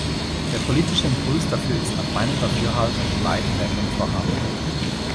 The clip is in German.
Der politische Impuls dafür ist nach meinem Dafürhalten in beiden Ländern vorhanden.